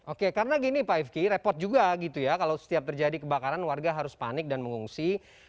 oke karena gini pak ifki repot juga gitu ya kalau setiap terjadi kebakaran warga harus panik dan mengungsi